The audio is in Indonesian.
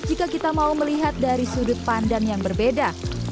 jika kita mau melihat dari sudut pandang yang berbeda